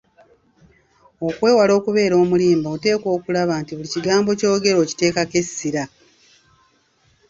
Okwewala okubeera omulimba oteekwa okulaba nti buli kigambo ky'oyogera okiteekako essira.